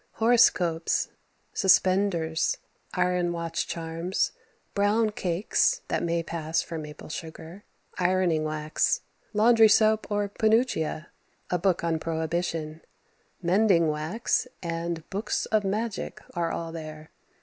Horoscopes, suspenders, iron watch charms, brown cakes that may pass for maple sugar, ironing wax, laundry soap or penuchia, a book on Prohibition, mending wax and books of magic are all there.